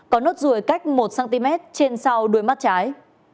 có nốt ruồi cách một cm trên sau đuôi mắt trái